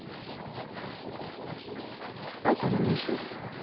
あんたが喪主？